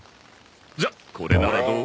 じゃこれならどう？